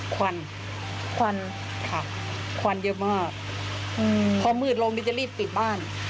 ควันเยอะมากพอมืดลงนี่จะรีบปิดบ้าน